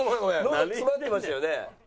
のど詰まってましたよね？